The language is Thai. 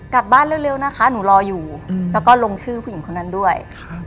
กลับบ้านเร็วนะคะหนูรออยู่แล้วก็ลงชื่อผู้หญิงคนนั้นด้วย